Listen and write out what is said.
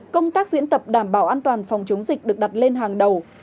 công tác diễn tập đảm bảo an toàn phòng chống dịch được đặt lên hàng đầu